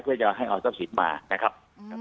เพื่อให้ออสับสิทธิ์มานะครับ